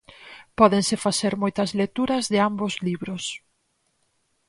Pódense facer moitas lecturas de ambos libros.